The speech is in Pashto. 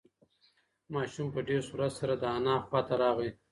ماشوم په ډېر سرعت سره د انا خواته راغی.